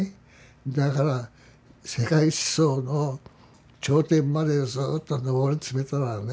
だから世界思想の頂点までずっと上り詰めたらね